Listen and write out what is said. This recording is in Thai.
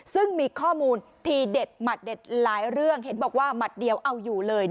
ซึ่งมีข้อมูลทีเด็ดหมัดเด็ดหลายเรื่องเห็นบอกว่าหมัดเดียวเอาอยู่เลย